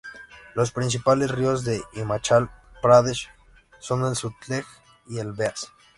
Los principales ríos de Himachal Pradesh son el Sutlej y el Beas.